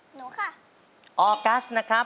หนูค่ะออกัสนะครับ